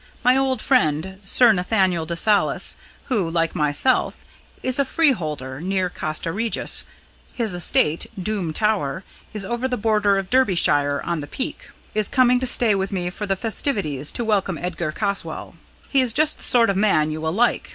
My old friend, Sir Nathaniel de Salis, who, like myself, is a free holder near Castra Regis his estate, Doom Tower, is over the border of Derbyshire, on the Peak is coming to stay with me for the festivities to welcome Edgar Caswall. He is just the sort of man you will like.